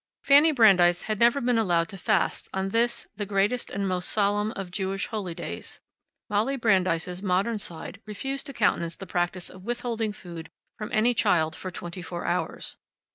Fanny Brandeis had never been allowed to fast on this, the greatest and most solemn of Jewish holy days Molly Brandeis' modern side refused to countenance the practice of withholding food from any child for twenty four hours.